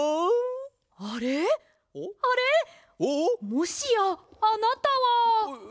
もしやあなたは。